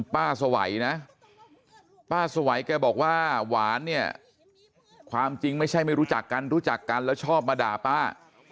ป้าสวัยนะป้าสวัยแกบอกว่าหวานเนี่ยความจริงไม่ใช่ไม่รู้จักกันรู้จักกันแล้วชอบมาด่าป้า